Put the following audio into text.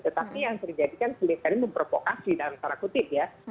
tetapi yang terjadi kan memprovokasi dalam tanda kutip ya